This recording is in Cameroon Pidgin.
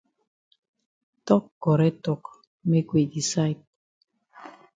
Tok correct tok make we decide.